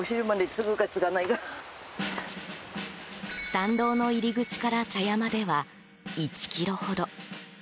参道の入り口から茶屋までは１ｋｍほど。